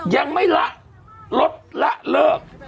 ยังไม่ละลดละเลิก